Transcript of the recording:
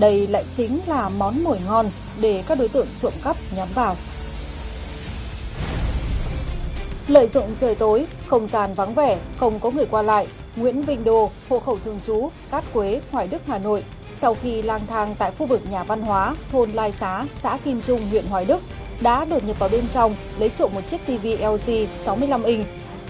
đối tượng nguyễn vinh đồ hộ khẩu thường trú cát quế hoài đức hà nội sau khi lang thang tại phu vực nhà văn hóa thôn lai xá xã kim trung huyện hoài đức đã đột nhập vào bên trong lấy trộm một chiếc tv lg sáu mươi năm inch